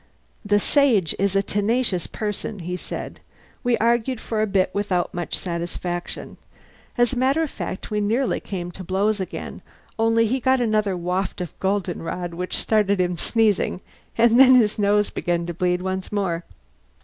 "The Sage is a tenacious person," he said. "We argued for a bit without much satisfaction. As a matter of fact we nearly came to blows again, only he got another waft of goldenrod, which started him sneezing, and then his nose began bleeding once more.